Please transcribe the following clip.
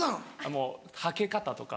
もうはけ方とか。